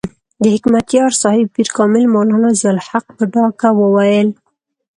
د حکمتیار صاحب پیر کامل مولانا ضیاء الحق په ډاګه وویل.